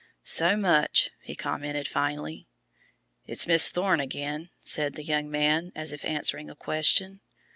"So much!" he commented finally. "It's Miss Thorne again," said the young man as if answering a question.